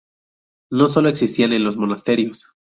No sólo existían en los monasterios.